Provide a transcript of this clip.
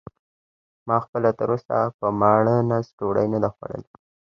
ما خپله تراوسه په ماړه نس ډوډۍ نه ده خوړلې.